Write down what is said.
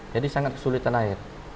jadi sangat kesulitan air